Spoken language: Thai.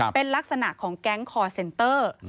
เป็นลักษณะของแก๊งคอร์เซนเตอร์